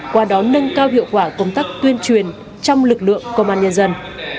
qua đó nâng cao hiệu quả công tác tuyên truyền trong lực lượng công an nhân dân